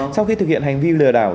sau khi thực hiện hành vi lừa đảo